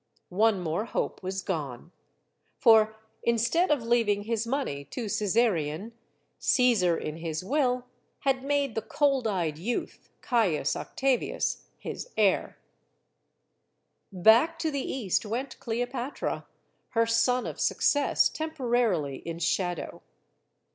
One more hope was gone. For, instead of leaving his money to Caesarion, Caesar, in his will, had made the cold eyed youth, Caius Octavius, his heir. CLEOPATRA 143 Back to the East went Cleopatra, her sun of success temporarily in shadow.